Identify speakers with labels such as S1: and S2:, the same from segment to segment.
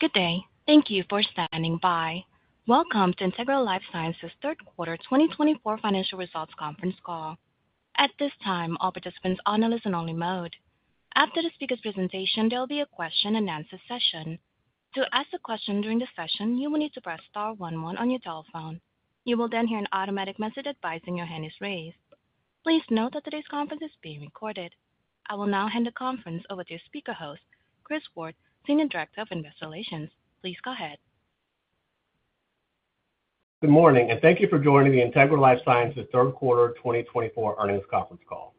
S1: Good day. Thank you for standing by. Welcome to Integra LifeSciences' third quarter 2024 financial results conference call. At this time, all participants are on a listen-only mode. After the speaker's presentation, there will be a question-and-answer session. To ask a question during the session, you will need to press star 11 on your telephone. You will then hear an automatic message advising your hand is raised. Please note that today's conference is being recorded. I will now hand the conference over to your speaker host, Chris Ward, Senior Director of Investor Relations. Please go ahead.
S2: Good morning, and thank you for joining the Integra LifeSciences' third quarter 2024 earnings conference call.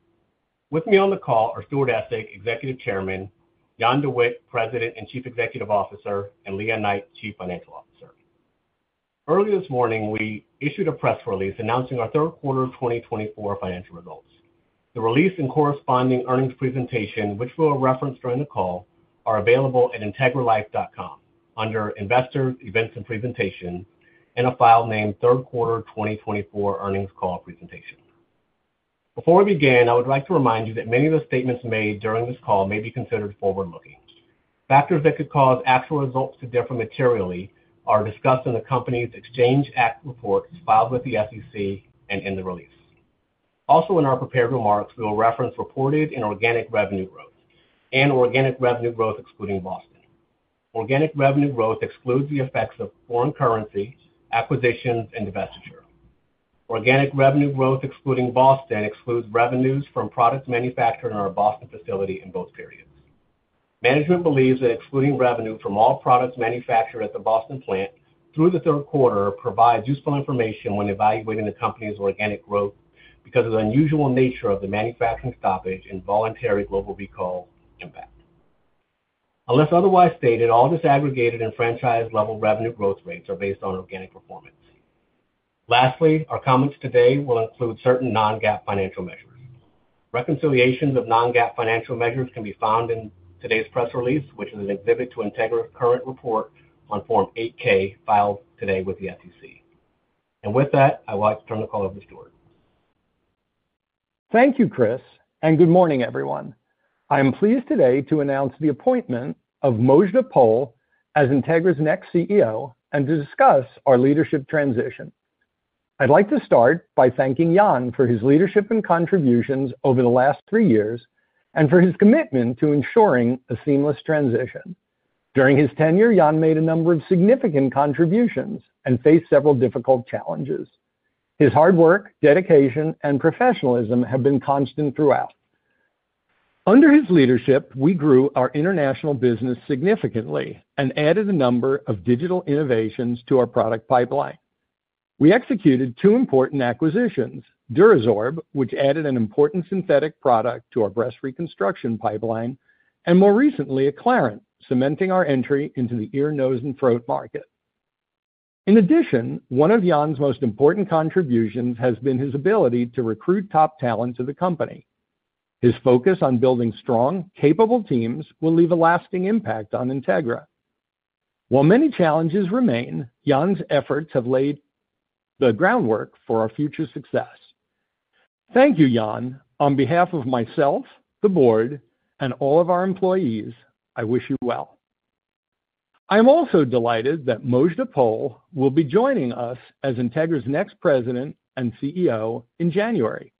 S2: With me on the call are Stuart Essig, Executive Chairman, Jan De Witte, President and Chief Executive Officer, and Lea Knight, Chief Financial Officer. Earlier this morning, we issued a press release announcing our third quarter 2024 financial results. The release and corresponding earnings presentation, which we will reference during the call, are available at integralife.com under Investors, Events, and Presentation, in a file named Third Quarter 2024 Earnings Call Presentation. Before we begin, I would like to remind you that many of the statements made during this call may be considered forward-looking. Factors that could cause actual results to differ materially are discussed in the company's Exchange Act reports filed with the SEC and in the release. Also, in our prepared remarks, we will reference reported and organic revenue growth, and organic revenue growth excluding Boston. Organic revenue growth excludes the effects of foreign currency acquisitions and divestiture. Organic revenue growth excluding Boston excludes revenues from products manufactured in our Boston facility in both periods. Management believes that excluding revenue from all products manufactured at the Boston plant through the third quarter provides useful information when evaluating the company's organic growth because of the unusual nature of the manufacturing stoppage and voluntary global recall impact. Unless otherwise stated, all disaggregated and franchise-level revenue growth rates are based on organic performance. Lastly, our comments today will include certain non-GAAP financial measures. Reconciliations of non-GAAP financial measures can be found in today's press release, which is an exhibit to Integra's current report on Form 8-K filed today with the SEC. With that, I would like to turn the call over to Stuart.
S3: Thank you, Chris, and good morning, everyone. I am pleased today to announce the appointment of Mojdeh Poul as Integra's next CEO and to discuss our leadership transition. I'd like to start by thanking Jan for his leadership and contributions over the last three years and for his commitment to ensuring a seamless transition. During his tenure, Jan made a number of significant contributions and faced several difficult challenges. His hard work, dedication, and professionalism have been constant throughout. Under his leadership, we grew our international business significantly and added a number of digital innovations to our product pipeline. We executed two important acquisitions: Durasorb, which added an important synthetic product to our breast reconstruction pipeline, and more recently, Acclarent, cementing our entry into the ear, nose, and throat market. In addition, one of Jan's most important contributions has been his ability to recruit top talent to the company. His focus on building strong, capable teams will leave a lasting impact on Integra. While many challenges remain, Jan's efforts have laid the groundwork for our future success. Thank you, Jan. On behalf of myself, the board, and all of our employees, I wish you well. I am also delighted that Mojdeh Poul will be joining us as Integra's next President and CEO in January.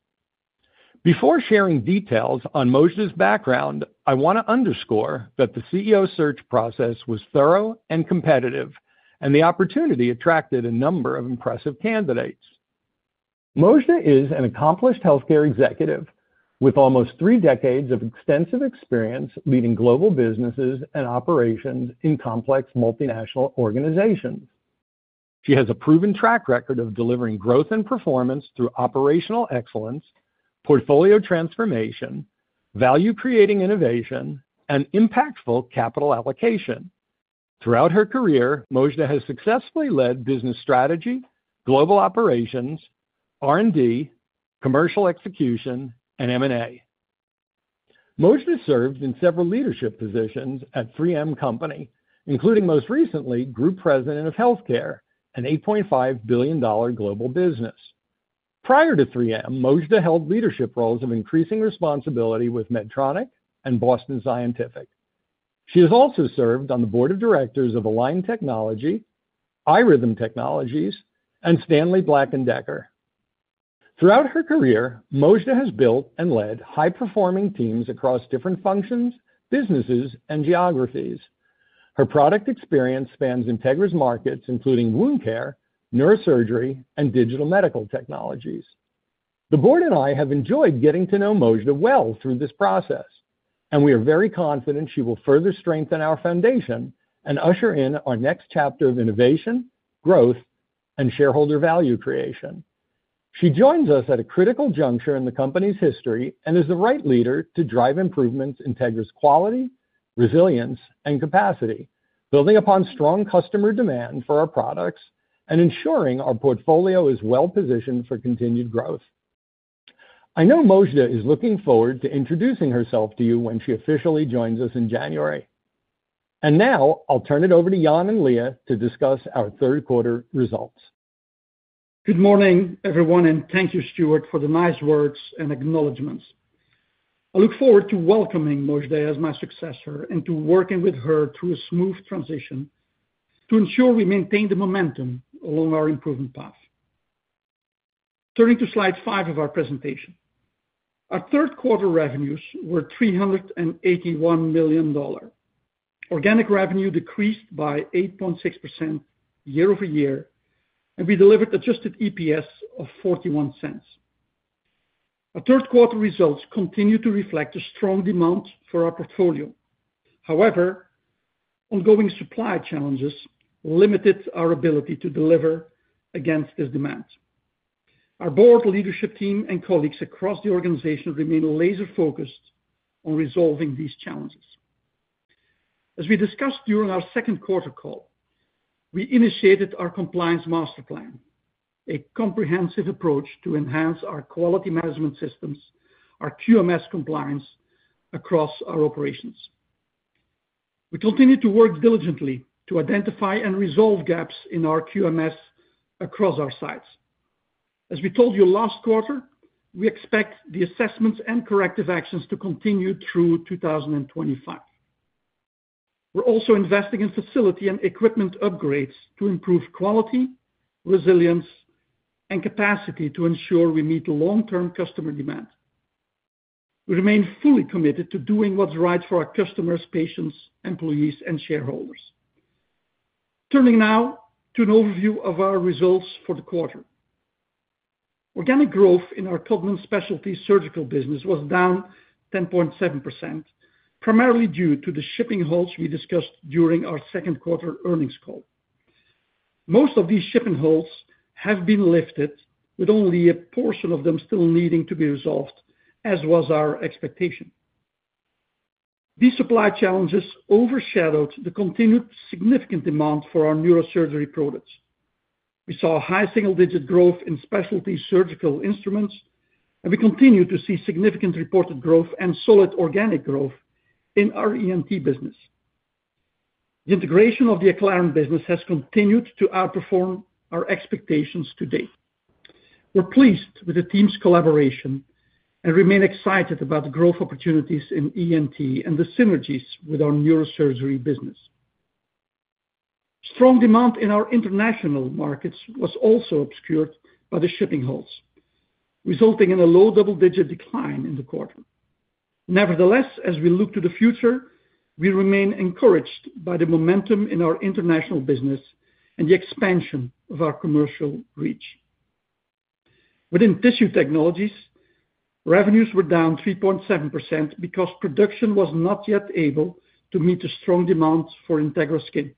S3: Before sharing details on Mojdeh's background, I want to underscore that the CEO search process was thorough and competitive, and the opportunity attracted a number of impressive candidates. Mojdeh is an accomplished healthcare executive with almost three decades of extensive experience leading global businesses and operations in complex multinational organizations. She has a proven track record of delivering growth and performance through operational excellence, portfolio transformation, value-creating innovation, and impactful capital allocation. Throughout her career, Mojdeh has successfully led business strategy, global operations, R&D, commercial execution, and M&A. Mojdeh served in several leadership positions at 3M Company, including most recently Group President of Healthcare, an $8.5 billion global business. Prior to 3M, Mojdeh held leadership roles of increasing responsibility with Medtronic and Boston Scientific. She has also served on the board of directors of Align Technology, iRhythm Technologies, and Stanley Black & Decker. Throughout her career, Mojdeh has built and led high-performing teams across different functions, businesses, and geographies. Her product experience spans Integra's markets, including wound care, neurosurgery, and digital medical technologies. The board and I have enjoyed getting to know Mojdeh well through this process, and we are very confident she will further strengthen our foundation and usher in our next chapter of innovation, growth, and shareholder value creation. She joins us at a critical juncture in the company's history and is the right leader to drive improvements in Integra's quality, resilience, and capacity, building upon strong customer demand for our products and ensuring our portfolio is well-positioned for continued growth. I know Mojdeh is looking forward to introducing herself to you when she officially joins us in January. And now, I'll turn it over to Jan and Lea to discuss our third quarter results.
S4: Good morning, everyone, and thank you, Stuart, for the nice words and acknowledgments. I look forward to welcoming Mojdeh as my successor and to working with her through a smooth transition to ensure we maintain the momentum along our improvement path. Turning to slide five of our presentation, our third quarter revenues were $381 million. Organic revenue decreased by 8.6% year over year, and we delivered adjusted EPS of $0.41. Our third quarter results continue to reflect a strong demand for our portfolio. However, ongoing supply challenges limited our ability to deliver against this demand. Our board, leadership team, and colleagues across the organization remain laser-focused on resolving these challenges. As we discussed during our second quarter call, we initiated our compliance master plan, a comprehensive approach to enhance our quality management systems, our QMS compliance across our operations. We continue to work diligently to identify and resolve gaps in our QMS across our sites. As we told you last quarter, we expect the assessments and corrective actions to continue through 2025. We're also investing in facility and equipment upgrades to improve quality, resilience, and capacity to ensure we meet long-term customer demand. We remain fully committed to doing what's right for our customers, patients, employees, and shareholders. Turning now to an overview of our results for the quarter. Organic growth in our Codman Specialty Surgical business was down 10.7%, primarily due to the shipping holds we discussed during our second quarter earnings call. Most of these shipping holds have been lifted, with only a portion of them still needing to be resolved, as was our expectation. These supply challenges overshadowed the continued significant demand for our neurosurgery products. We saw high single-digit growth in specialty surgical instruments, and we continue to see significant reported growth and solid organic growth in our ENT business. The integration of the Acclarent business has continued to outperform our expectations to date. We're pleased with the team's collaboration and remain excited about the growth opportunities in ENT and the synergies with our neurosurgery business. Strong demand in our international markets was also obscured by the shipping holds, resulting in a low double-digit decline in the quarter. Nevertheless, as we look to the future, we remain encouraged by the momentum in our international business and the expansion of our commercial reach. Within Tissue Technologies, revenues were down 3.7% because production was not yet able to meet the strong demand for Integra Skin.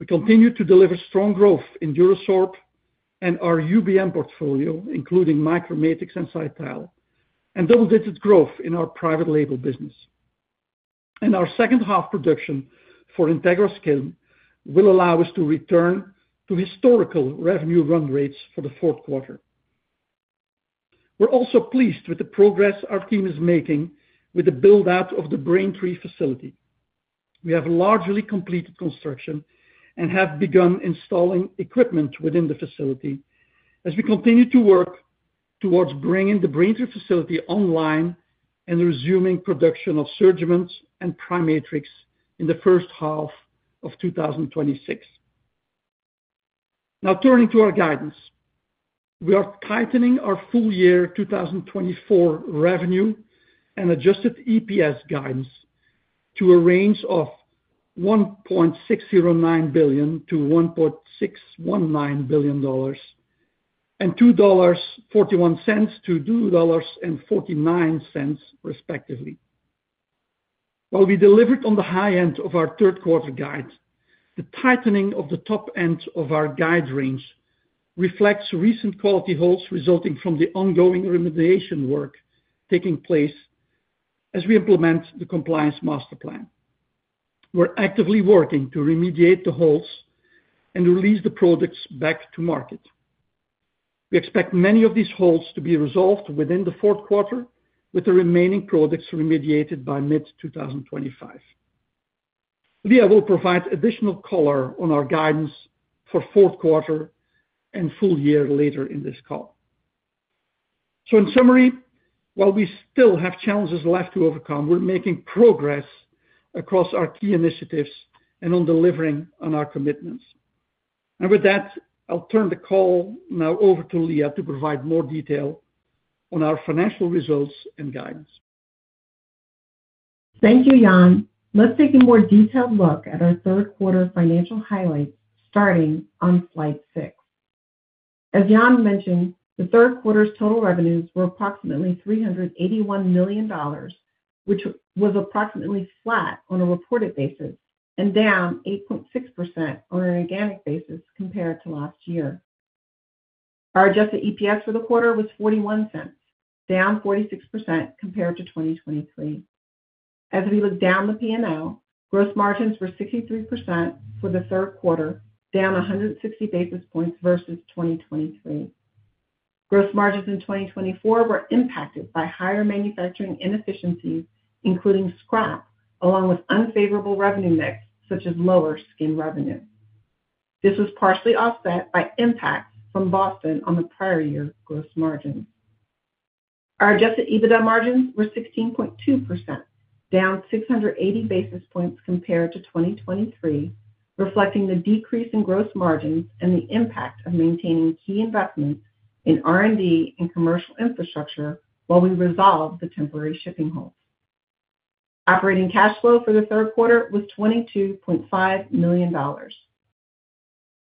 S4: We continue to deliver strong growth in Durasorb and our UBM portfolio, including MicroMatrix and Cytal, and double-digit growth in our private label business. Our second half production for Integra Skin will allow us to return to historical revenue run rates for the fourth quarter. We're also pleased with the progress our team is making with the build-out of the Braintree facility. We have largely completed construction and have begun installing equipment within the facility as we continue to work towards bringing the Braintree facility online and resuming production of SurgiMend and PriMatrix in the first half of 2026. Now, turning to our guidance, we are tightening our full year 2024 revenue and adjusted EPS guidance to a range of $1.609-$1.619 billion and $2.41-$2.49, respectively. While we delivered on the high end of our third quarter guide, the tightening of the top end of our guide range reflects recent quality holds resulting from the ongoing remediation work taking place as we implement the Compliance Master Plan. We're actively working to remediate the holds and release the products back to market. We expect many of these holds to be resolved within the fourth quarter, with the remaining products remediated by mid-2025. Lea will provide additional color on our guidance for fourth quarter and full year later in this call. So, in summary, while we still have challenges left to overcome, we're making progress across our key initiatives and on delivering on our commitments. And with that, I'll turn the call now over to Lea to provide more detail on our financial results and guidance.
S5: Thank you, Jan. Let's take a more detailed look at our third quarter financial highlights starting on slide six. As Jan mentioned, the third quarter's total revenues were approximately $381 million, which was approximately flat on a reported basis and down 8.6% on an organic basis compared to last year. Our adjusted EPS for the quarter was $0.41, down 46% compared to 2023. As we look down the P&L, gross margins were 63% for the third quarter, down 160 basis points versus 2023. Gross margins in 2024 were impacted by higher manufacturing inefficiencies, including scrap, along with unfavorable revenue mix such as lower skin revenue. This was partially offset by impacts from Boston on the prior year gross margins. Our adjusted EBITDA margins were 16.2%, down 680 basis points compared to 2023, reflecting the decrease in gross margins and the impact of maintaining key investments in R&D and commercial infrastructure while we resolve the temporary shipping holds. Operating cash flow for the third quarter was $22.5 million.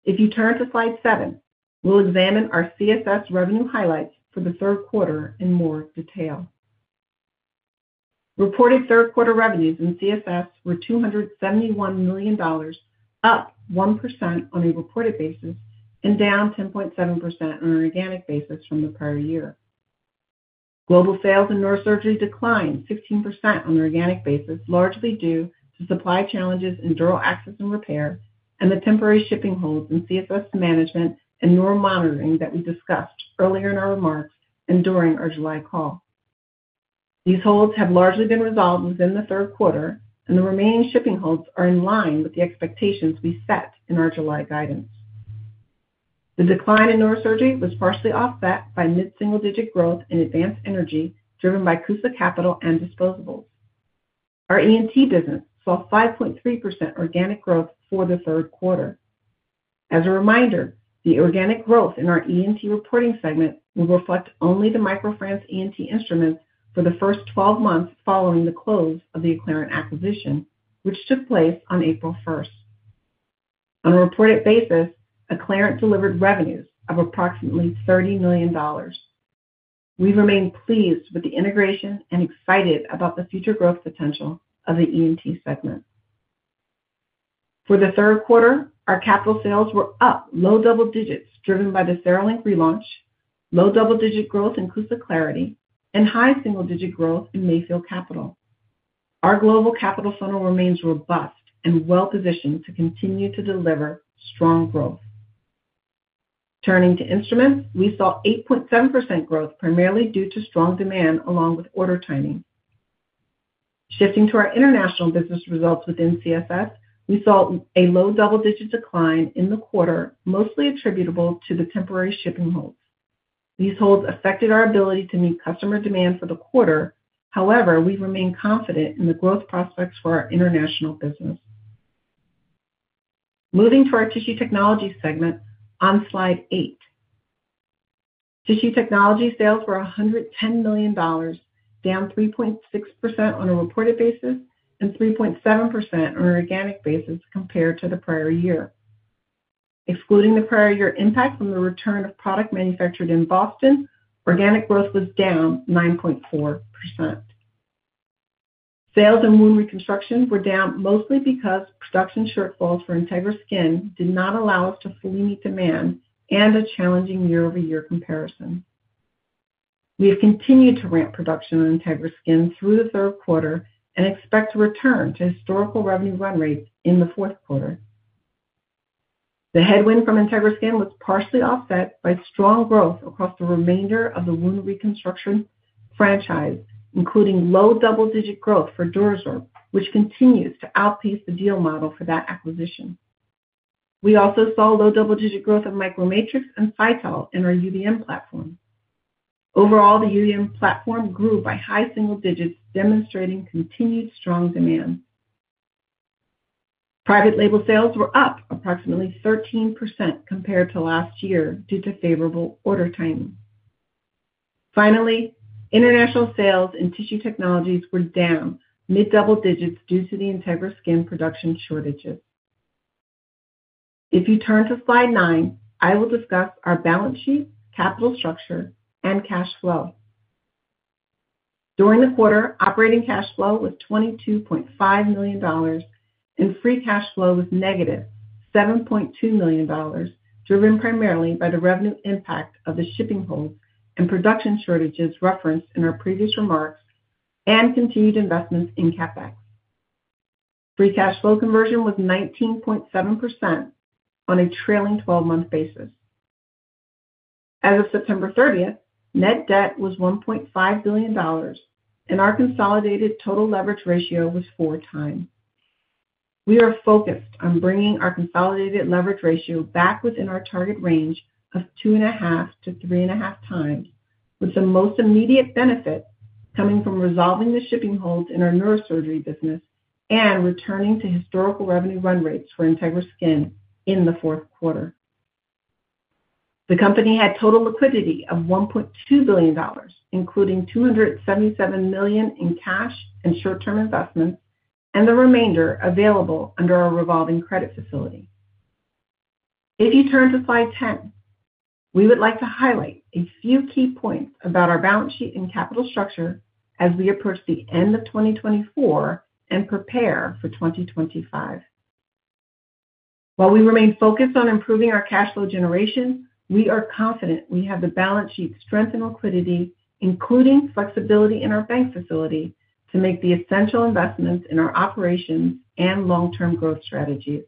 S5: If you turn to slide seven, we'll examine our CSS revenue highlights for the third quarter in more detail. Reported third quarter revenues in CSS were $271 million, up 1% on a reported basis and down 10.7% on an organic basis from the prior year. Global sales in neurosurgery declined 16% on an organic basis, largely due to supply challenges in dural access and repair and the temporary shipping holds in CSS management and neural monitoring that we discussed earlier in our remarks and during our July call. These holes have largely been resolved within the third quarter, and the remaining shipping holes are in line with the expectations we set in our July guidance. The decline in neurosurgery was partially offset by mid-single-digit growth in advanced energy driven by CUSA Capital and disposables. Our ENT business saw 5.3% organic growth for the third quarter. As a reminder, the organic growth in our ENT reporting segment will reflect only the MicroFrance ENT instruments for the first 12 months following the close of the Acclarent acquisition, which took place on April 1st. On a reported basis, Acclarent delivered revenues of approximately $30 million. We remain pleased with the integration and excited about the future growth potential of the ENT segment. For the third quarter, our capital sales were up low double digits driven by the CereLink relaunch, low double-digit growth in CUSA Clarity, and high single-digit growth in Mayfield Capital. Our global capital funnel remains robust and well-positioned to continue to deliver strong growth. Turning to instruments, we saw 8.7% growth primarily due to strong demand along with order timing. Shifting to our international business results within CSS, we saw a low double-digit decline in the quarter, mostly attributable to the temporary shipping holds. These holds affected our ability to meet customer demand for the quarter. However, we remain confident in the growth prospects for our international business. Moving to our Tissue Technology segment on slide eight, Tissue Technology sales were $110 million, down 3.6% on a reported basis and 3.7% on an organic basis compared to the prior year. Excluding the prior year impact from the return of product manufactured in Boston, organic growth was down 9.4%. Sales and wound reconstruction were down mostly because production shortfalls for Integra Skin did not allow us to fully meet demand and a challenging year-over-year comparison. We have continued to ramp production on Integra Skin through the third quarter and expect to return to historical revenue run rates in the fourth quarter. The headwind from Integra Skin was partially offset by strong growth across the remainder of the wound reconstruction franchise, including low double-digit growth for Durasorb, which continues to outpace the deal model for that acquisition. We also saw low double-digit growth of MicroMatrix and Cytal in our UBM platform. Overall, the UBM platform grew by high single digits, demonstrating continued strong demand. Private label sales were up approximately 13% compared to last year due to favorable order timing. Finally, international sales in Tissue Technologies were down mid-double digits due to the Integra Skin production shortages. If you turn to slide nine, I will discuss our balance sheet, capital structure, and cash flow. During the quarter, operating cash flow was $22.5 million, and free cash flow was -$7.2 million, driven primarily by the revenue impact of the shipping holes and production shortages referenced in our previous remarks and continued investments in CapEx. Free cash flow conversion was 19.7% on a trailing 12-month basis. As of September 30th, net debt was $1.5 billion, and our consolidated total leverage ratio was four times. We are focused on bringing our consolidated leverage ratio back within our target range of two and a half to three and a half times, with the most immediate benefit coming from resolving the shipping holes in our neurosurgery business and returning to historical revenue run rates for Integra Skin in the fourth quarter. The company had total liquidity of $1.2 billion, including $277 million in cash and short-term investments, and the remainder available under our revolving credit facility. If you turn to slide 10, we would like to highlight a few key points about our balance sheet and capital structure as we approach the end of 2024 and prepare for 2025. While we remain focused on improving our cash flow generation, we are confident we have the balance sheet strength and liquidity, including flexibility in our bank facility, to make the essential investments in our operations and long-term growth strategies.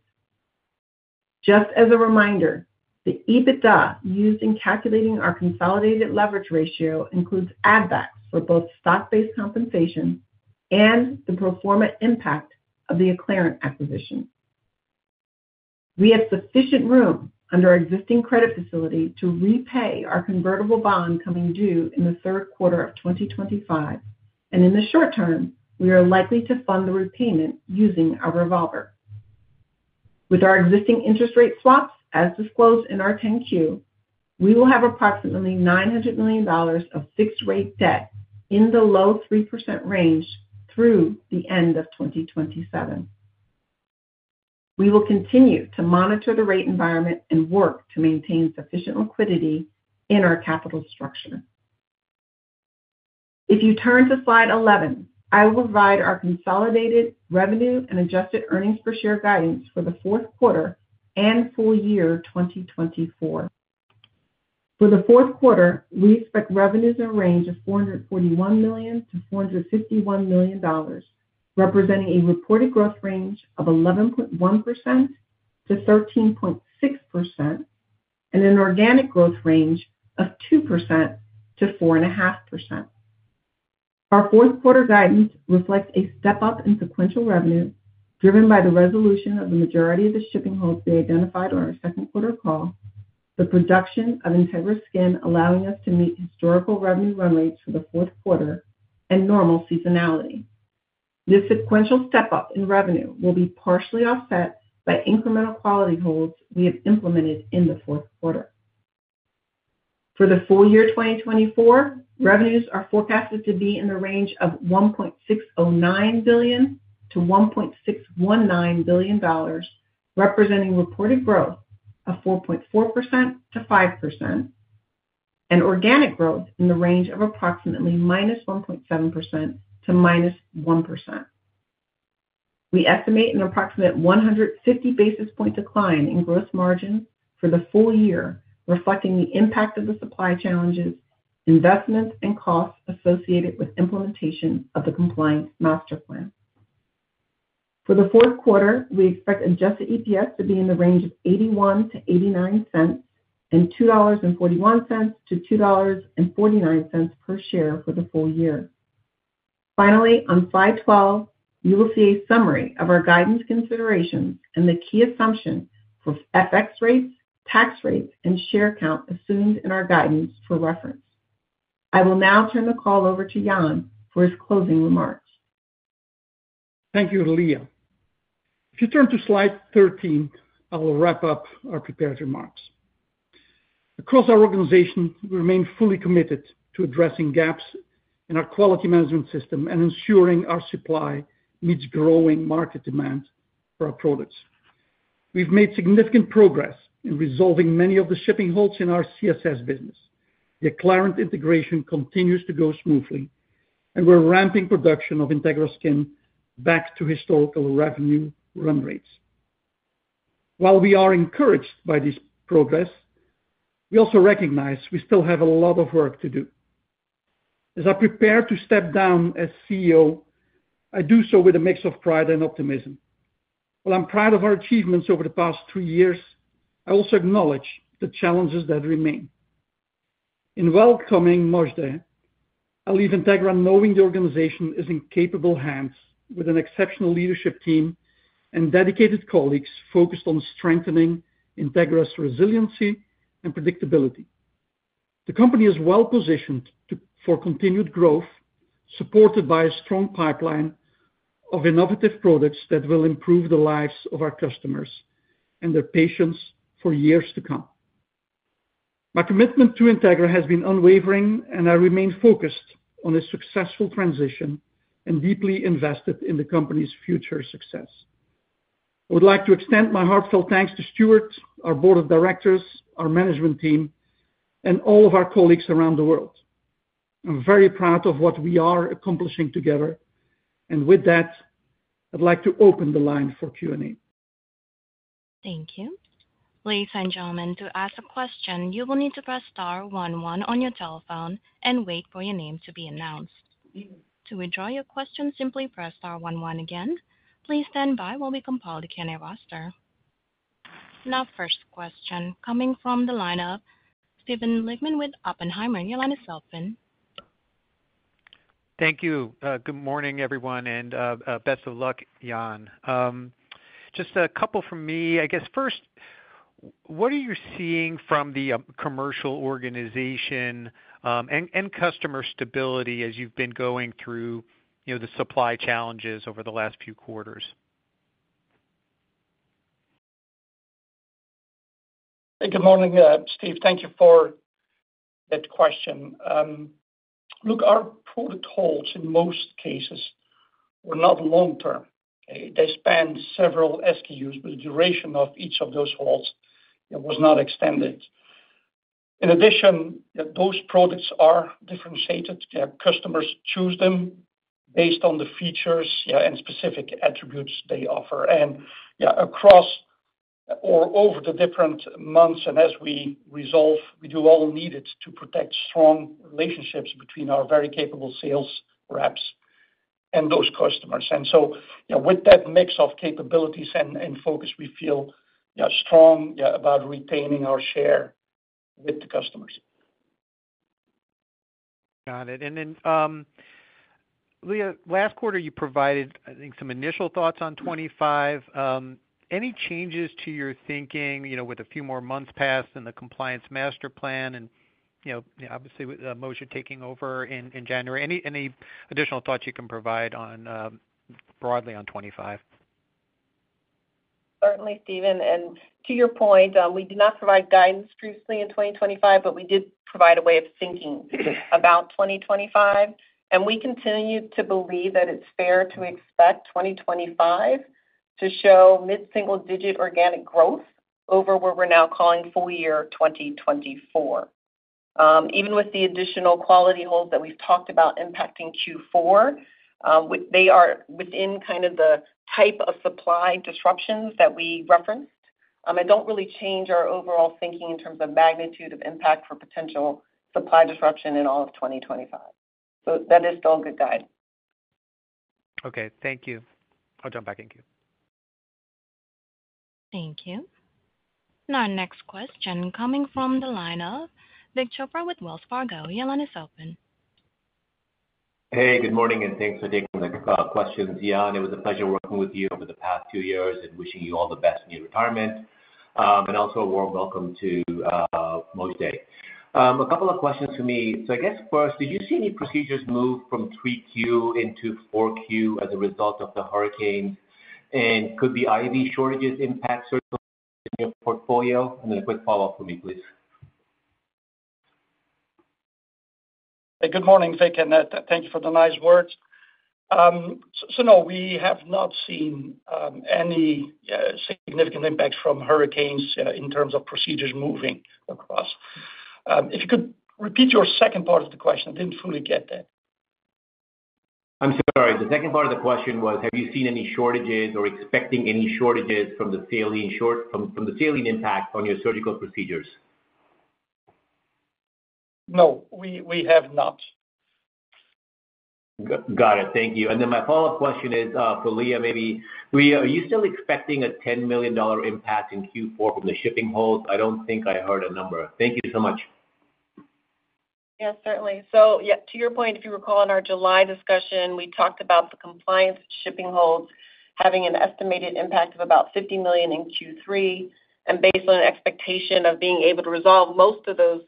S5: Just as a reminder, the EBITDA used in calculating our consolidated leverage ratio includes add-backs for both stock-based compensation and the pro forma impact of the Acclarent acquisition. We have sufficient room under our existing credit facility to repay our convertible bond coming due in the third quarter of 2025, and in the short term, we are likely to fund the repayment using our revolver. With our existing interest rate swaps as disclosed in our 10-Q, we will have approximately $900 million of fixed-rate debt in the low 3% range through the end of 2027. We will continue to monitor the rate environment and work to maintain sufficient liquidity in our capital structure. If you turn to slide 11, I will provide our consolidated revenue and adjusted earnings per share guidance for the fourth quarter and full year 2024. For the fourth quarter, we expect revenues in a range of $441-$451 million, representing a reported growth range of 11.1%-13.6% and an organic growth range of 2%-4.5%. Our fourth quarter guidance reflects a step-up in sequential revenue driven by the resolution of the majority of the shipping holes we identified on our second quarter call, the production of Integra Skin allowing us to meet historical revenue run rates for the fourth quarter and normal seasonality. This sequential step-up in revenue will be partially offset by incremental quality holds we have implemented in the fourth quarter. For the full year 2024, revenues are forecasted to be in the range of $1.609 billion-$1.619 billion, representing reported growth of 4.4%-5%, and organic growth in the range of approximately -1.7% to -1%. We estimate an approximate 150 basis points decline in gross margins for the full year, reflecting the impact of the supply challenges, investments, and costs associated with implementation of the Compliance Master Plan. For the fourth quarter, we expect adjusted EPS to be in the range of $0.81-$0.89 and $2.41-$2.49 per share for the full year. Finally, on slide 12, you will see a summary of our guidance considerations and the key assumption for FX rates, tax rates, and share count assumed in our guidance for reference. I will now turn the call over to Jan for his closing remarks.
S4: Thank you, Lea. If you turn to slide 13, I will wrap up our prepared remarks. Across our organization, we remain fully committed to addressing gaps in our quality management system and ensuring our supply meets growing market demand for our products. We've made significant progress in resolving many of the shipping holes in our CSS business. The Acclarent integration continues to go smoothly, and we're ramping production of Integra Skin back to historical revenue run rates. While we are encouraged by this progress, we also recognize we still have a lot of work to do. As I prepare to step down as CEO, I do so with a mix of pride and optimism. While I'm proud of our achievements over the past three years, I also acknowledge the challenges that remain. In welcoming Mojdeh, I'll leave Integra knowing the organization is in capable hands with an exceptional leadership team and dedicated colleagues focused on strengthening Integra's resiliency and predictability. The company is well-positioned for continued growth, supported by a strong pipeline of innovative products that will improve the lives of our customers and their patients for years to come. My commitment to Integra has been unwavering, and I remain focused on a successful transition and deeply invested in the company's future success. I would like to extend my heartfelt thanks to Stuart, our board of directors, our management team, and all of our colleagues around the world. I'm very proud of what we are accomplishing together, and with that, I'd like to open the line for Q&A.
S1: Thank you. Ladies and gentlemen, to ask a question, you will need to press star 11 on your telephone and wait for your name to be announced. To withdraw your question, simply press star 11 again. Please stand by while we compile the candidate roster. Now, first question coming from the line of Steven Lichtman with Oppenheimer. Your line is open.
S6: Thank you. Good morning, everyone, and best of luck, Jan. Just a couple from me. I guess first, what are you seeing from the commercial organization and customer stability as you've been going through the supply challenges over the last few quarters?
S4: Good morning, Steve. Thank you for that question. Look, our product holds in most cases were not long-term. They spanned several SKUs, but the duration of each of those holds was not extended. In addition, those products are differentiated. Customers choose them based on the features and specific attributes they offer. And across or over the different months and as we resolve, we do all needed to protect strong relationships between our very capable sales reps and those customers. And so with that mix of capabilities and focus, we feel strong about retaining our share with the customers.
S6: Got it. And then, Lea, last quarter, you provided, I think, some initial thoughts on 25. Any changes to your thinking with a few more months past and the Compliance Master Plan and obviously with Mojdeh taking over in January? Any additional thoughts you can provide broadly on 25?
S5: Certainly, Steven. And to your point, we did not provide guidance previously in 2025, but we did provide a way of thinking about 2025. And we continue to believe that it's fair to expect 2025 to show mid-single-digit organic growth over what we're now calling full year 2024. Even with the additional quality holds that we've talked about impacting Q4, they are within kind of the type of supply disruptions that we referenced. I don't really change our overall thinking in terms of magnitude of impact for potential supply disruption in all of 2025. So that is still a good guide.
S6: Okay. Thank you. I'll jump back into.
S1: Thank you. Now, next question coming from the line of Vic Chopra with Wells Fargo. Your line is open.
S7: Hey, good morning, and thanks for taking the question, Jan. It was a pleasure working with you over the past two years and wishing you all the best in your retirement, and also a warm welcome to Mojdeh. A couple of questions for me, so I guess first, did you see any procedures move from 3Q into 4Q as a result of the hurricanes? And could the IV shortages impact certainly in your portfolio? And then a quick follow-up for me, please.
S4: Good morning, Vic. And thank you for the nice words. So no, we have not seen any significant impacts from hurricanes in terms of procedures moving across. If you could repeat your second part of the question, I didn't fully get that.
S7: I'm sorry. The second part of the question was, have you seen any shortages or expecting any shortages from the supply impact on your surgical procedures?
S4: No, we have not.
S7: Got it. Thank you. And then my follow-up question is for Lea, maybe. Lea, are you still expecting a $10 million impact in Q4 from the shipping holds? I don't think I heard a number. Thank you so much.
S5: Yeah, certainly. So yeah, to your point, if you recall in our July discussion, we talked about the compliance shipping holds having an estimated impact of about $50 million in Q3. And based on an expectation of being able to resolve most of those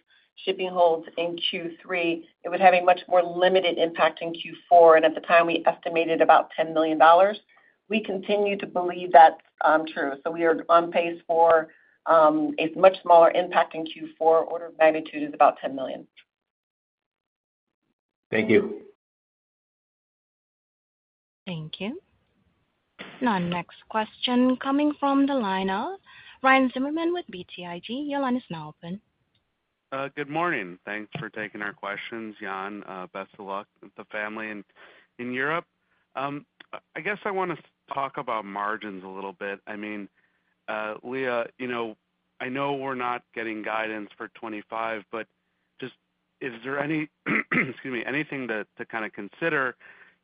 S5: shipping holds in Q3, it would have a much more limited impact in Q4. And at the time, we estimated about $10 million. We continue to believe that's true. So we are on pace for a much smaller impact in Q4. Order of magnitude is about $10 million.
S7: Thank you.
S1: Thank you. Now, next question coming from the line of Ryan Zimmerman with BTIG. Your line is now open.
S8: Good morning. Thanks for taking our questions, Jan. Best of luck with the family in Europe. I guess I want to talk about margins a little bit. I mean, Lea, I know we're not getting guidance for 2025, but just is there any, excuse me, anything to kind of consider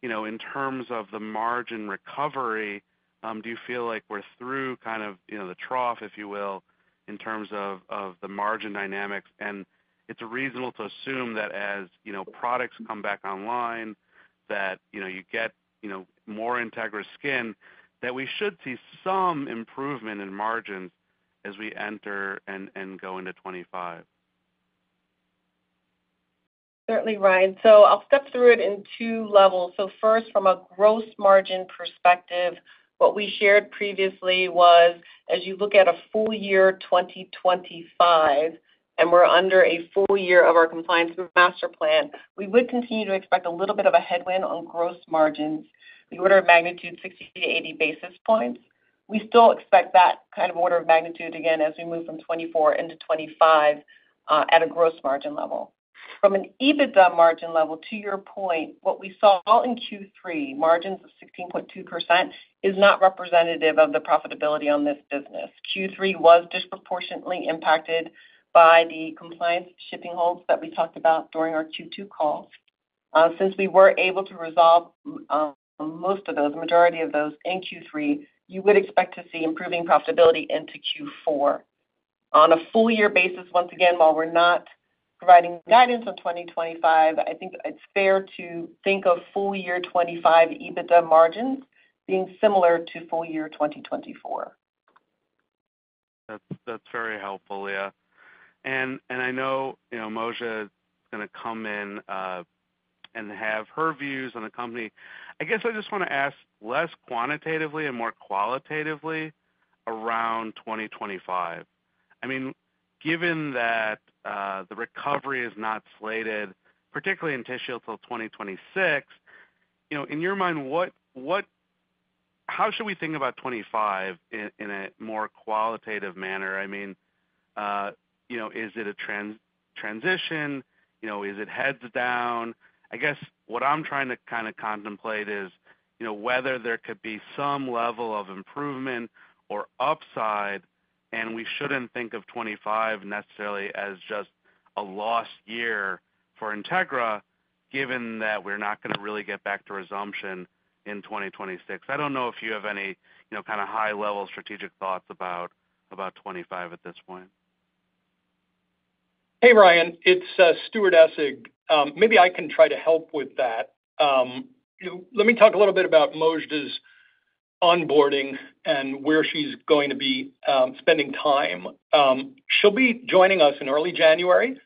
S8: in terms of the margin recovery? Do you feel like we're through kind of the trough, if you will, in terms of the margin dynamics? And it's reasonable to assume that as products come back online, that you get more Integra Skin, that we should see some improvement in margins as we enter and go into 2025.
S5: Certainly, Ryan. So I'll step through it in two levels. So first, from a gross margin perspective, what we shared previously was, as you look at a full year 2025, and we're under a full year of our Compliance Master Plan, we would continue to expect a little bit of a headwind on gross margins, the order of magnitude 60-80 basis points. We still expect that kind of order of magnitude again as we move from 2024 into 2025 at a gross margin level. From an EBITDA margin level, to your point, what we saw in Q3, margins of 16.2%, is not representative of the profitability on this business. Q3 was disproportionately impacted by the compliance shipping holds that we talked about during our Q2 calls. Since we were able to resolve most of those, the majority of those in Q3, you would expect to see improving profitability into Q4. On a full year basis, once again, while we're not providing guidance on 2025, I think it's fair to think of full year 25 EBITDA margins being similar to full year 2024.
S8: That's very helpful, Lea. And I know Mojdeh is going to come in and have her views on the company. I guess I just want to ask less quantitatively and more qualitatively around 2025. I mean, given that the recovery is not slated, particularly until 2026, in your mind, how should we think about 25 in a more qualitative manner? I mean, is it a transition? Is it heads down? I guess what I'm trying to kind of contemplate is whether there could be some level of improvement or upside, and we shouldn't think of 25 necessarily as just a lost year for Integra, given that we're not going to really get back to resumption in 2026. I don't know if you have any kind of high-level strategic thoughts about 25 at this point.
S4: Hey, Ryan. It's Stuart Essig. Maybe I can try to help with that. Let me talk a little bit about Mojdeh's onboarding and where she's going to be spending time. She'll be joining us in early January,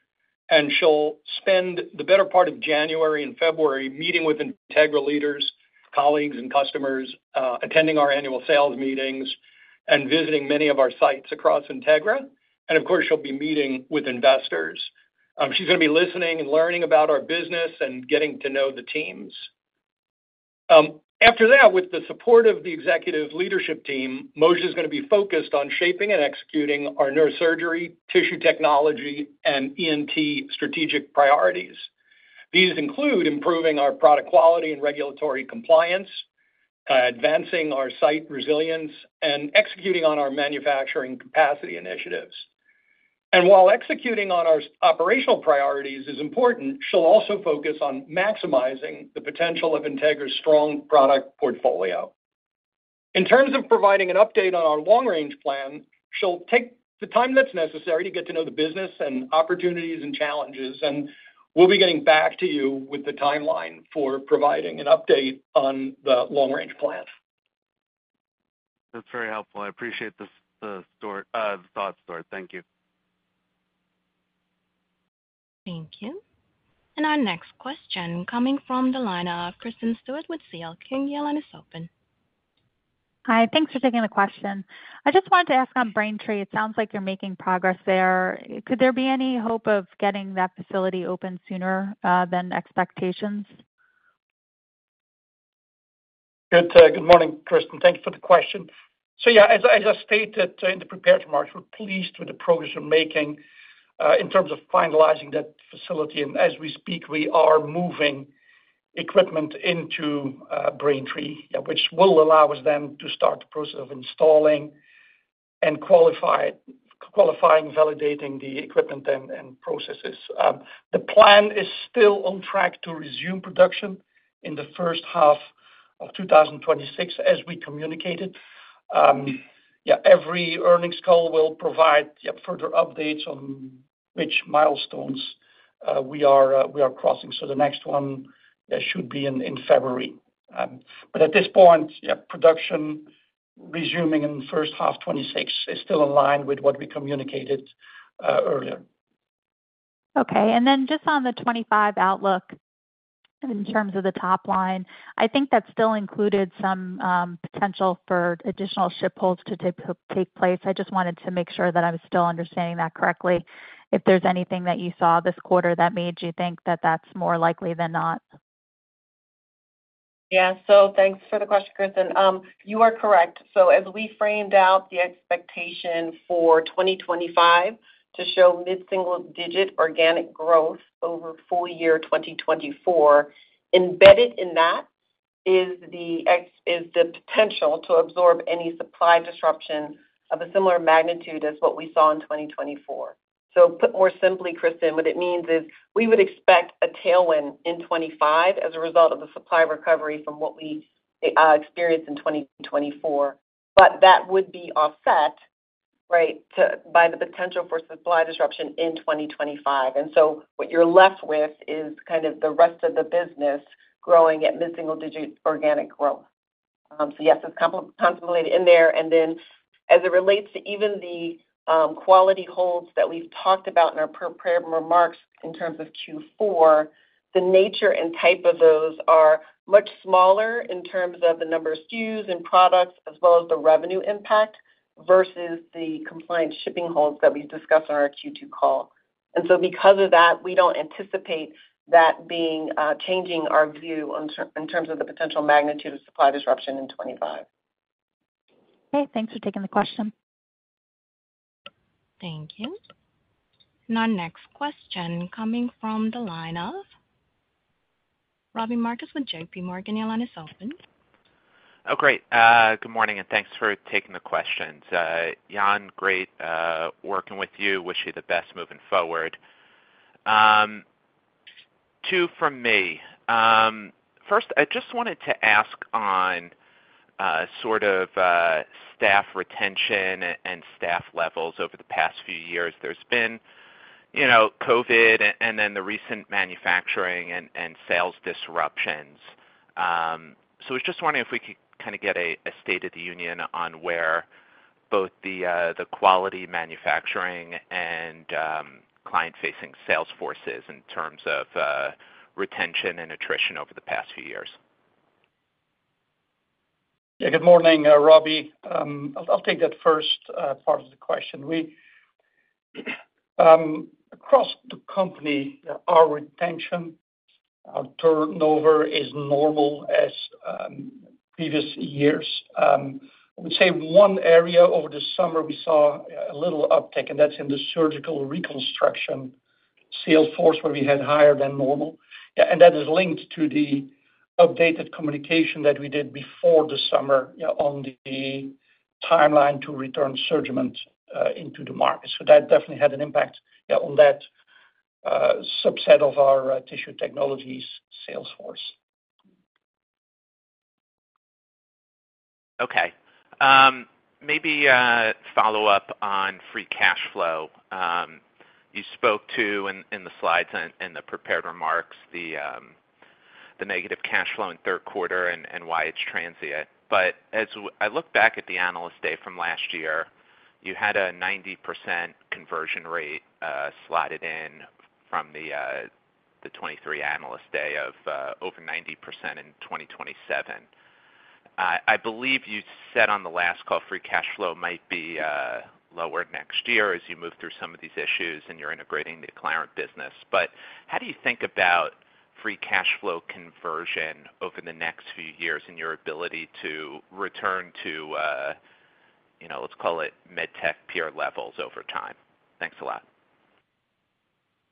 S4: and she'll spend the better part of January and February meeting with Integra leaders, colleagues, and customers, attending our annual sales meetings, and visiting many of our sites across Integra. And of course, she'll be meeting with investors. She's going to be listening and learning about our business and getting to know the teams. After that, with the support of the executive leadership team, Mojdeh is going to be focused on shaping and executing our neurosurgery, tissue technology, and ENT strategic priorities. These include improving our product quality and regulatory compliance, advancing our site resilience, and executing on our manufacturing capacity initiatives. And while executing on our operational priorities is important, she'll also focus on maximizing the potential of Integra's strong product portfolio. In terms of providing an update on our long-range plan, she'll take the time that's necessary to get to know the business and opportunities and challenges. And we'll be getting back to you with the timeline for providing an update on the long-range plan.
S8: That's very helpful. I appreciate the thought, Stuart. Thank you.
S1: Thank you. And our next question coming from the line of Kristen Stewart with CL King. Your line is open.
S9: Hi. Thanks for taking the question. I just wanted to ask on Braintree. It sounds like you're making progress there. Could there be any hope of getting that facility open sooner than expectations?
S4: Good morning, Kristen. Thank you for the question. So yeah, as I stated in the prepared remarks, we're pleased with the progress we're making in terms of finalizing that facility, and as we speak, we are moving equipment into Braintree, which will allow us then to start the process of installing and qualifying, validating the equipment and processes. The plan is still on track to resume production in the first half of 2026, as we communicated. Yeah, every earnings call will provide further updates on which milestones we are crossing. So the next one should be in February. But at this point, production resuming in the first half of 2026 is still in line with what we communicated earlier.
S9: Okay. And then just on the 2025 outlook in terms of the top line, I think that still included some potential for additional ship holds to take place. I just wanted to make sure that I was still understanding that correctly. If there's anything that you saw this quarter that made you think that that's more likely than not?
S5: Yeah. So thanks for the question, Kristen. You are correct. So as we framed out the expectation for 2025 to show mid-single-digit organic growth over full year 2024, embedded in that is the potential to absorb any supply disruption of a similar magnitude as what we saw in 2024. So put more simply, Kristen, what it means is we would expect a tailwind in 2025 as a result of the supply recovery from what we experienced in 2024. But that would be offset, right, by the potential for supply disruption in 2025. And so what you're left with is kind of the rest of the business growing at mid-single-digit organic growth. So yes, it's contemplated in there. And then as it relates to even the quality holds that we've talked about in our prepared remarks in terms of Q4, the nature and type of those are much smaller in terms of the number of SKUs and products as well as the revenue impact versus the compliance shipping holds that we discussed on our Q2 call. And so because of that, we don't anticipate that being changing our view in terms of the potential magnitude of supply disruption in 2025.
S9: Okay. Thanks for taking the question.
S1: Thank you. Now, next question coming from the line of Robbie Marcus with J.P. Morgan. Your line is open.
S10: Oh, great. Good morning, and thanks for taking the questions. Jan, great working with you. Wish you the best moving forward. Two from me. First, I just wanted to ask on sort of staff retention and staff levels over the past few years. There's been COVID and then the recent manufacturing and sales disruptions. So I was just wondering if we could kind of get a state of the union on where both the quality manufacturing and client-facing sales forces in terms of retention and attrition over the past few years.
S4: Yeah. Good morning, Robbie. I'll take that first part of the question. Across the company, our retention, our turnover is normal as previous years. I would say one area over the summer we saw a little uptake, and that's in the surgical reconstruction sales force where we had higher than normal. And that is linked to the updated communication that we did before the summer on the timeline to return SurgiMend into the market. So that definitely had an impact on that subset of our tissue technologies sales force.
S10: Okay. Maybe follow-up on free cash flow. You spoke to in the slides and the prepared remarks the negative cash flow in third quarter and why it's transient. But as I look back at the analyst day from last year, you had a 90% conversion rate slotted in from the 2023 analyst day of over 90% in 2027. I believe you said on the last call free cash flow might be lower next year as you move through some of these issues and you're integrating the Acclarent business. But how do you think about free cash flow conversion over the next few years and your ability to return to, let's call it, med tech peer levels over time? Thanks a lot.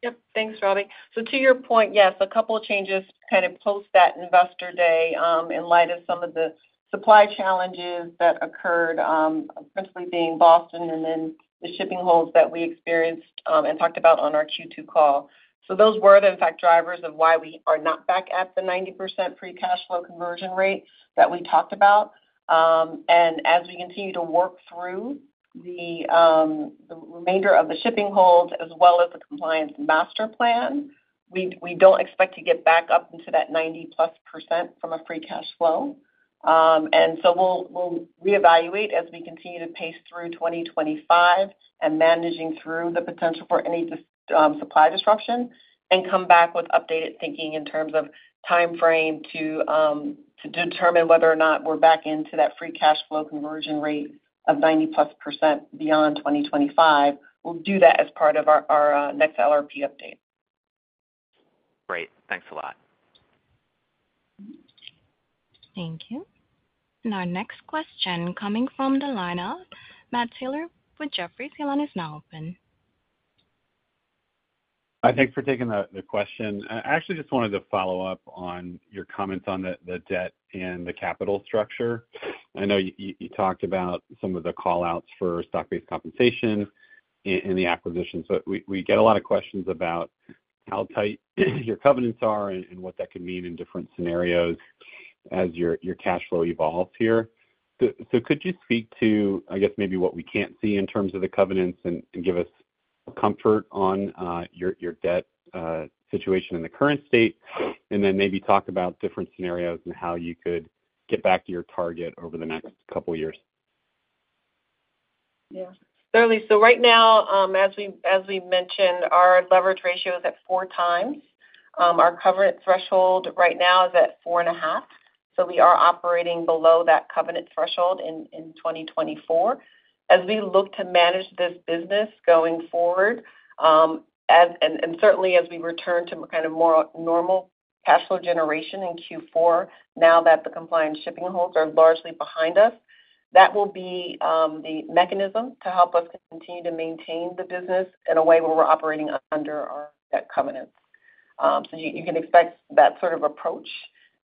S5: Yep. Thanks, Robbie. So to your point, yes, a couple of changes kind of post that investor day in light of some of the supply challenges that occurred, principally being Boston and then the shipping holds that we experienced and talked about on our Q2 call. So those were, in fact, drivers of why we are not back at the 90% free cash flow conversion rate that we talked about. And as we continue to work through the remainder of the shipping holds as well as the compliance master plan, we don't expect to get back up into that 90-plus% from a free cash flow. And so we'll reevaluate as we continue to pace through 2025 and managing through the potential for any supply disruption and come back with updated thinking in terms of timeframe to determine whether or not we're back into that free cash flow conversion rate of 90-plus% beyond 2025. We'll do that as part of our next LRP update.
S10: Great. Thanks a lot.
S1: Thank you. And our next question coming from the line of Matt Taylor with Jefferies. Your line is now open.
S11: I thank you for taking the question. I actually just wanted to follow up on your comments on the debt and the capital structure. I know you talked about some of the callouts for stock-based compensation in the acquisition. So we get a lot of questions about how tight your covenants are and what that could mean in different scenarios as your cash flow evolves here. So could you speak to, I guess, maybe what we can't see in terms of the covenants and give us comfort on your debt situation in the current state, and then maybe talk about different scenarios and how you could get back to your target over the next couple of years?
S5: Yeah. Certainly. So right now, as we mentioned, our leverage ratio is at four times. Our covenant threshold right now is at four and a half. So we are operating below that covenant threshold in 2024. As we look to manage this business going forward, and certainly as we return to kind of more normal cash flow generation in Q4, now that the compliance shipping holds are largely behind us, that will be the mechanism to help us continue to maintain the business in a way where we're operating under our debt covenants. So you can expect that sort of approach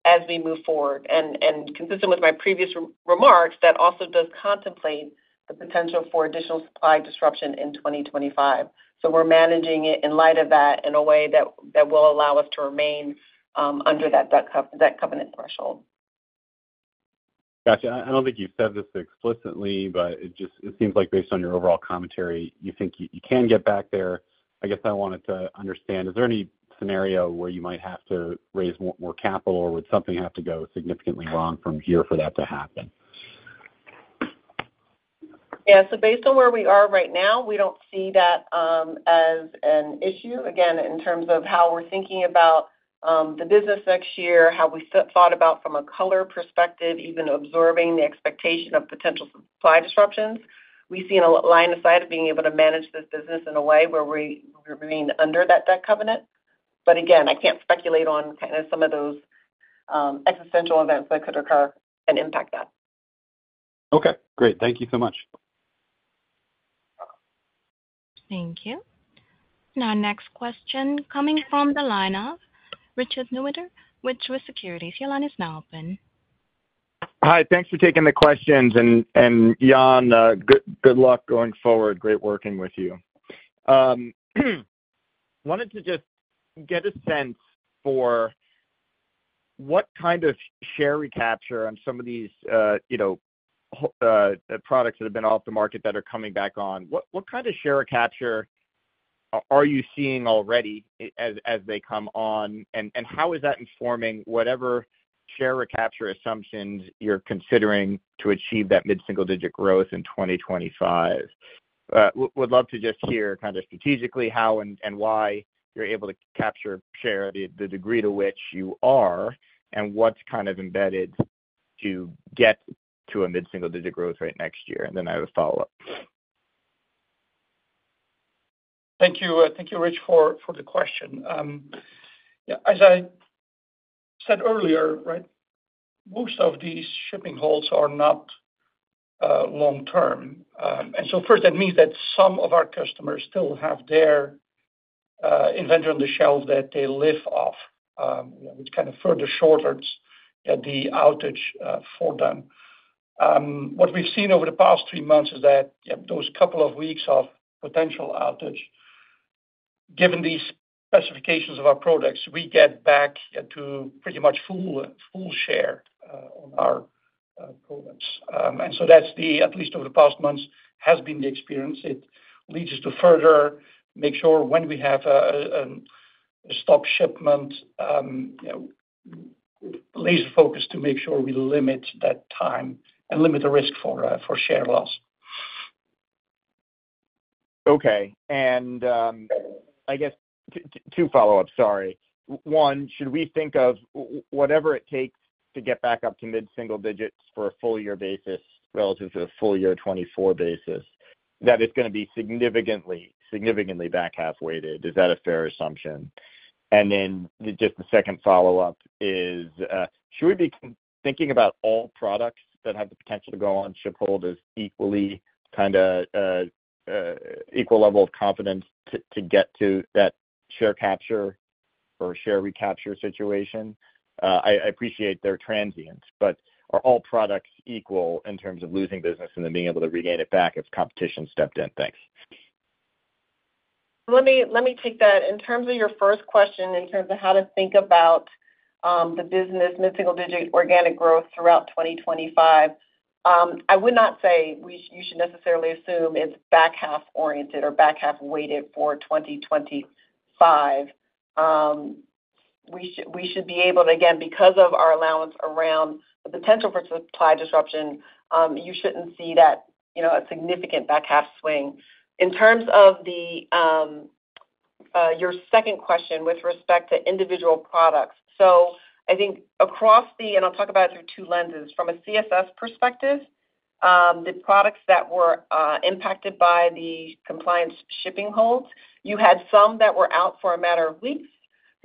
S5: as we move forward. And consistent with my previous remarks, that also does contemplate the potential for additional supply disruption in 2025. So we're managing it in light of that in a way that will allow us to remain under that debt covenant threshold.
S11: Gotcha. I don't think you said this explicitly, but it seems like based on your overall commentary, you think you can get back there. I guess I wanted to understand, is there any scenario where you might have to raise more capital, or would something have to go significantly wrong from here for that to happen?
S5: Yeah. So based on where we are right now, we don't see that as an issue. Again, in terms of how we're thinking about the business next year, how we thought about from a color perspective, even absorbing the expectation of potential supply disruptions, we see in a line of sight of being able to manage this business in a way where we're remaining under that debt covenant. But again, I can't speculate on kind of some of those existential events that could occur and impact that.
S11: Okay. Great. Thank you so much.
S1: Thank you. Now, next question coming from the line of Richard Newitter with Truist Securities. Your line is now open.
S12: Hi. Thanks for taking the questions, and Jan, good luck going forward. Great working with you. Wanted to just get a sense for what kind of share recapture on some of these products that have been off the market that are coming back on. What kind of share recapture are you seeing already as they come on, and how is that informing whatever share recapture assumptions you're considering to achieve that mid-single-digit growth in 2025? Would love to just hear kind of strategically how and why you're able to capture share, the degree to which you are, and what's kind of embedded to get to a mid-single-digit growth rate next year, and then I have a follow-up.
S4: Thank you, Rich, for the question. As I said earlier, right, most of these shipping holds are not long-term, and so first, that means that some of our customers still have their inventory on the shelf that they live off, which kind of further shortens the outage for them. What we've seen over the past three months is that those couple of weeks of potential outage, given these specifications of our products, we get back to pretty much full share on our products, and so that's the, at least over the past months, has been the experience. It leads us to further make sure when we have a stop shipment, laser-focused to make sure we limit that time and limit the risk for share loss.
S12: Okay. And I guess two follow-ups, sorry. One, should we think of whatever it takes to get back up to mid-single digits for a full year basis relative to a full year 2024 basis, that it's going to be significantly, significantly back half-weighted? Is that a fair assumption? And then just the second follow-up is, should we be thinking about all products that have the potential to go on ship hold as equally kind of equal level of confidence to get to that share capture or share recapture situation? I appreciate their transients, but are all products equal in terms of losing business and then being able to regain it back if competition stepped in? Thanks.
S5: Let me take that. In terms of your first question, in terms of how to think about the business mid-single-digit organic growth throughout 2025, I would not say you should necessarily assume it's back half-oriented or back half-weighted for 2025. We should be able to, again, because of our allowance around the potential for supply disruption. You shouldn't see that a significant back half swing. In terms of your second question with respect to individual products, so I think across the, and I'll talk about it through two lenses, from a CSS perspective, the products that were impacted by the compliance shipping holds. You had some that were out for a matter of weeks,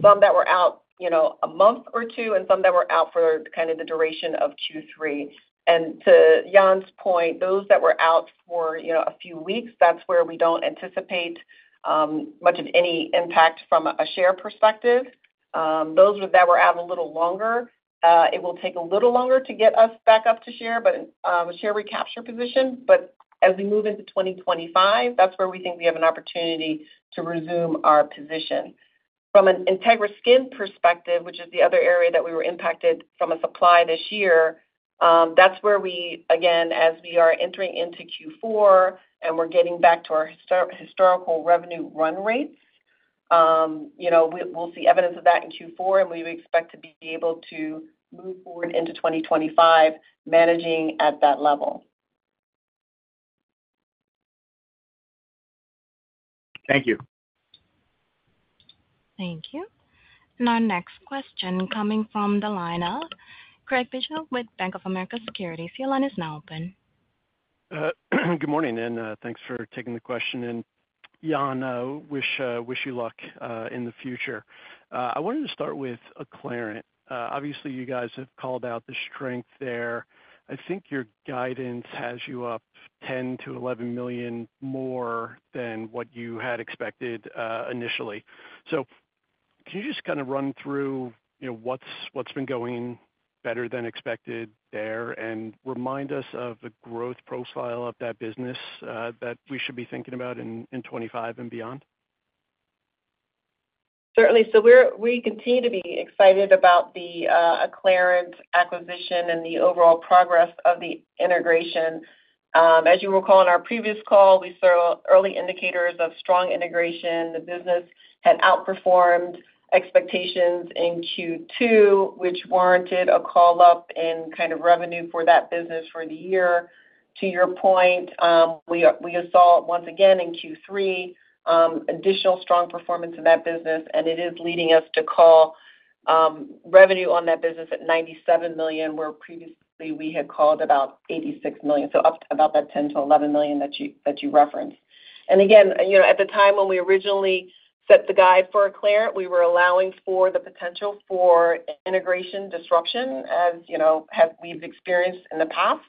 S5: some that were out a month or two, and some that were out for kind of the duration of Q3. And to Jan's point, those that were out for a few weeks, that's where we don't anticipate much of any impact from a share perspective. Those that were out a little longer, it will take a little longer to get us back up to share recapture position. But as we move into 2025, that's where we think we have an opportunity to resume our position. From an Integra Skin perspective, which is the other area that we were impacted from a supply this year, that's where we, again, as we are entering into Q4 and we're getting back to our historical revenue run rates, we'll see evidence of that in Q4, and we expect to be able to move forward into 2025 managing at that level.
S12: Thank you.
S1: Thank you. Now, next question coming from the line of Craig Bijou with Bank of America Securities. Your line is now open.
S13: Good morning, and thanks for taking the question. And Jan, wish you luck in the future. I wanted to start with a clarification. Obviously, you guys have called out the strength there. I think your guidance has you up $10 million-$11 million more than what you had expected initially. So can you just kind of run through what's been going better than expected there and remind us of the growth profile of that business that we should be thinking about in 2025 and beyond?
S5: Certainly, so we continue to be excited about the Clarent acquisition and the overall progress of the integration. As you will recall, in our previous call, we saw early indicators of strong integration. The business had outperformed expectations in Q2, which warranted a call up in kind of revenue for that business for the year. To your point, we saw once again in Q3 additional strong performance in that business, and it is leading us to call revenue on that business at $97 million, where previously we had called about $86 million, so up to about that $10 million-$11 million that you referenced. Again, at the time when we originally set the guide for Clarent, we were allowing for the potential for integration disruption, as we've experienced in the past,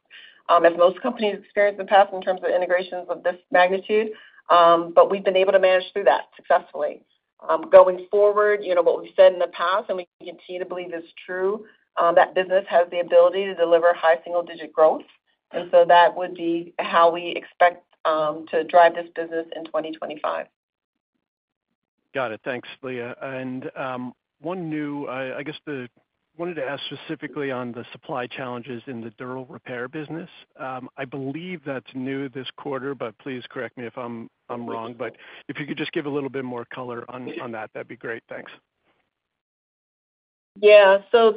S5: as most companies experienced in the past in terms of integrations of this magnitude. But we've been able to manage through that successfully. Going forward, what we've said in the past, and we continue to believe is true, that business has the ability to deliver high single-digit growth. And so that would be how we expect to drive this business in 2025.
S13: Got it. Thanks, Lea. And one new, I guess I wanted to ask specifically on the supply challenges in the Dural repair business. I believe that's new this quarter, but please correct me if I'm wrong. But if you could just give a little bit more color on that, that'd be great. Thanks.
S5: Yeah. So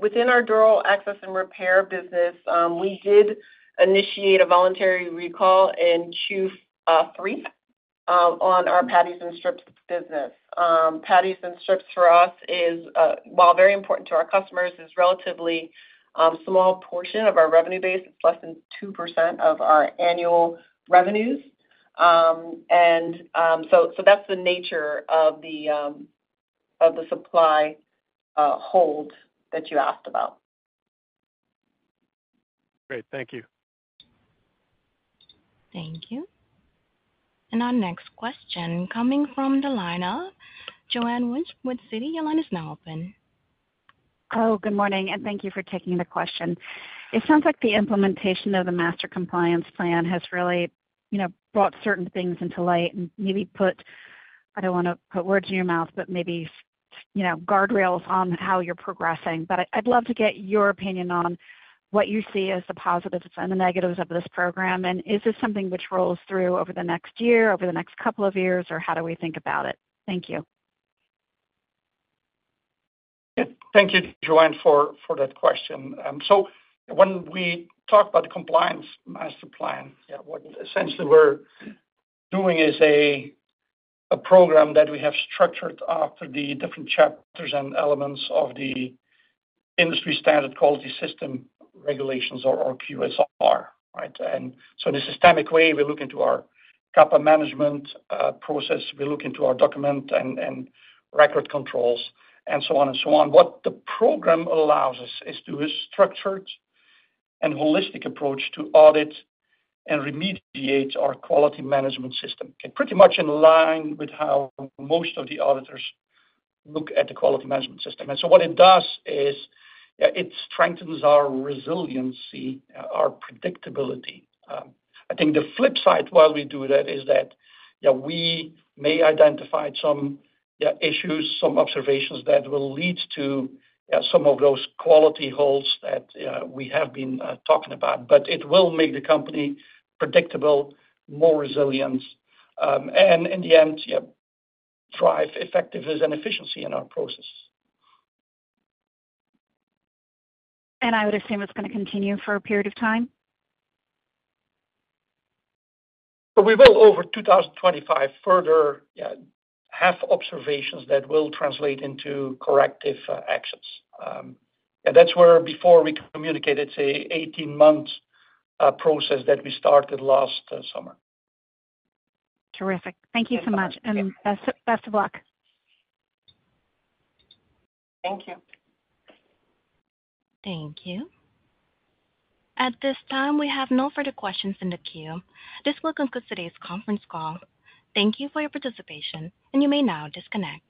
S5: within our durable access and repair business, we did initiate a voluntary recall in Q3 on our Patties and Strips business. Patties and Strips for us is, while very important to our customers, is a relatively small portion of our revenue base. It's less than 2% of our annual revenues. And so that's the nature of the supply hold that you asked about.
S13: Great. Thank you.
S1: Thank you. And our next question coming from the line of Joanne Wuensch Citi. Your line is now open.
S14: Oh, good morning. And thank you for taking the question. It sounds like the implementation of the master compliance plan has really brought certain things into light and maybe put, I don't want to put words in your mouth, but maybe guardrails on how you're progressing. But I'd love to get your opinion on what you see as the positives and the negatives of this program. And is this something which rolls through over the next year, over the next couple of years, or how do we think about it? Thank you.
S4: Yeah. Thank you, Joanne, for that question. So when we talk about the compliance master plan, yeah, what essentially we're doing is a program that we have structured after the different chapters and elements of the industry standard quality system regulations or QSR, right? And so in a systemic way, we look into our CAPA management process. We look into our document and record controls and so on and so on. What the program allows us is to do is structured and holistic approach to audit and remediate our quality management system. Pretty much in line with how most of the auditors look at the quality management system. And so what it does is it strengthens our resiliency, our predictability. I think the flip side while we do that is that we may identify some issues, some observations that will lead to some of those quality holds that we have been talking about. But it will make the company predictable, more resilient, and in the end, yeah, drive effectiveness and efficiency in our process.
S14: I would assume it's going to continue for a period of time.
S4: We will over 2025 further have observations that will translate into corrective actions. That's where before we communicated, say, 18-month process that we started last summer.
S14: Terrific. Thank you so much. And best of luck.
S5: Thank you.
S1: Thank you. At this time, we have no further questions in the queue. This will conclude today's conference call. Thank you for your participation, and you may now disconnect.